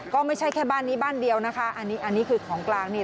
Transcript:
ก็ไม่ใช่แค่บ้านนี้บ้านเดียวนะคะอันนี้อันนี้คือของกลางนี่